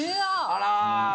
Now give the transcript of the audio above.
あら！